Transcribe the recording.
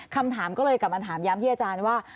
คำถามก็เลยกลับมาถามย้ำที่อาจารย์ว่า